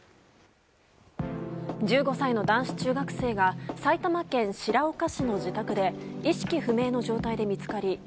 １５歳の男子中学生が埼玉県白岡市の自宅で意識不明の状態で見つかり